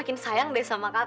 linta jagain kakakmu